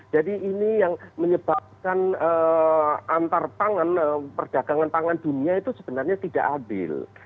jadi ini yang menyebabkan antar pangan perdagangan pangan dunia itu sebenarnya tidak adil